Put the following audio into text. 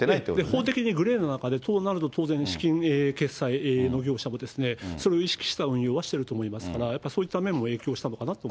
法的なグレーな中で、そうなると当然、資金決済の業者もそれを意識した運用はしてると思いますから、やっぱそういった面も影響したのかなと。